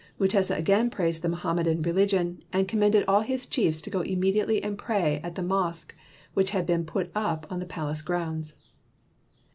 Mutesa again praised the Mohammedan religion and commanded all his chiefs to go immediately and pray at the mosque which had been put up on the palace grounds.